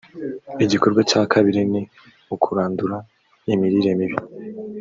igikorwa cya kabiri ni ukurandura imirire mibi